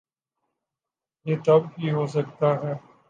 یہ تب ہی ہو سکتا ہے۔